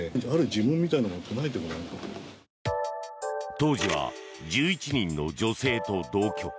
当時は１１人の女性と同居。